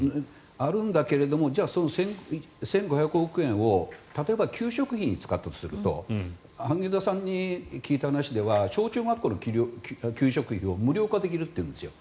あるんだけれどもその１５００億円を例えば、給食費に使ったとすると萩生田さんに聞いた話では小中学校の給食費を無料化できるというんですよ。